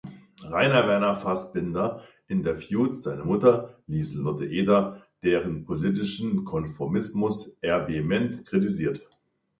Rainer Werner Fassbinder interviewt seine Mutter Liselotte Eder, deren politischen Konformismus er vehement kritisiert.